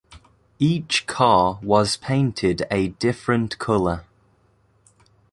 Each car was painted a different color.